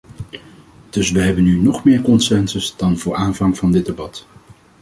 Dus we hebben nu nog meer consensus dan voor aanvang van dit debat.